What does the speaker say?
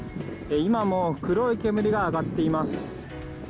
今も黒い煙が上がっています。